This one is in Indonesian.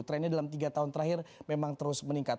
trennya dalam tiga tahun terakhir memang terus meningkat